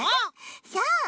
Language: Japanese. そう。